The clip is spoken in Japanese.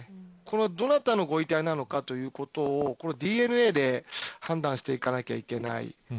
どなたのご遺体なのかというのをＤＮＡで判断していかなくてはいけません。